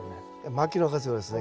牧野先生はですね